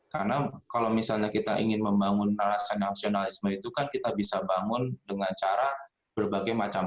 karena kalau misalnya kita ingin membangun alasan nasionalisme itu kan kita bisa bangun dengan cara berbagai macam